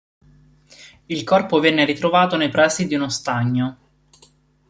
Il corpo venne ritrovato nei pressi di uno stagno.